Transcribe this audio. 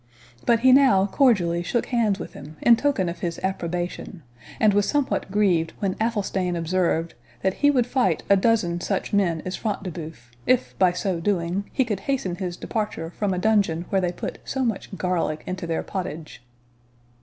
But he now cordially shook hands with him in token of his approbation, and was somewhat grieved when Athelstane observed, "that he would fight a dozen such men as Front de Bœuf, if, by so doing, he could hasten his departure from a dungeon where they put so much garlic into their pottage."